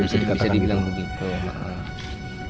bisa dibilang begitu